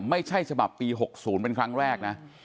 ไม่ใช่ฉบับปี๖๐เป็นครั้งแรกนะ